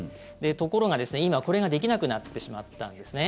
ところが今、これができなくなってしまったんです。